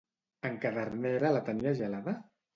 En Cadernera la tenia gelada?